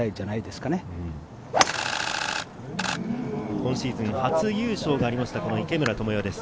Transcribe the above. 今シーズン、初優勝がありました、池村寛世です。